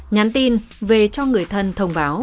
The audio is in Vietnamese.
nhắn tin về cho người thân thông báo